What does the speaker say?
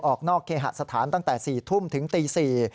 ออกนอกเคหสถานตั้งแต่๔ทุ่มถึงตี๔